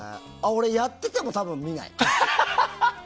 俺、やってても見ない。